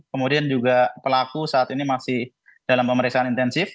kemudian juga pelaku saat ini masih dalam pemeriksaan intensif